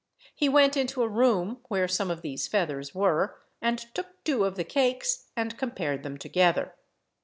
He went into a room where some of these feathers were, and took two of the cakes, and compared them together.